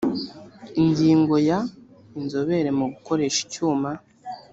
ingingo ya inzobere mu gukoresha icyuma